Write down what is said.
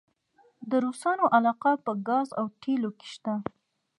د روسانو علاقه په ګاز او تیلو کې شته؟